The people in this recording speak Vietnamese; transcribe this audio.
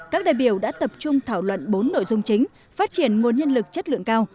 các đại biểu đã tập trung thảo luận bốn nội dung chính phát triển nguồn nhân lực chất lượng cao